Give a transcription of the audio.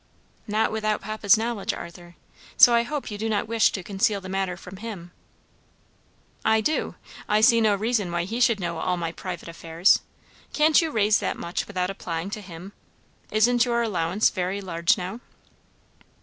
"Not without papa's knowledge, Arthur. So I hope you do not wish to conceal the matter from him." "I do. I see no reason why he should know all my private affairs. Can't you raise that much without applying to him? Isn't your allowance very large now?"